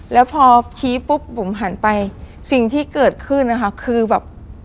แล้วพอชี้ปุ๊บบุ๋มหันไปสิ่งที่เกิดขึ้นนะคะคือแบบ